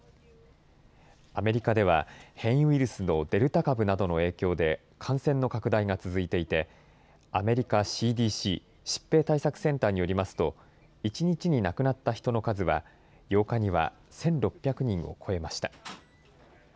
アメリカでは、変異ウイルスのデルタ株などの影響で、感染の拡大が続いていて、アメリカＣＤＣ・疾病対策センターによりますと、１日に亡くなった人の数は、８日には１６００人を超えました。